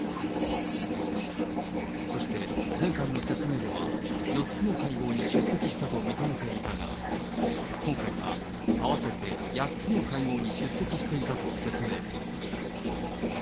そして、前回の説明では４つの会合に出席したと認めていたが、今回は合わせて８つの会合に出席していたと説明。